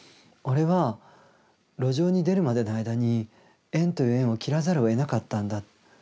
「俺は路上に出るまでの間に縁という縁を切らざるをえなかったんだ。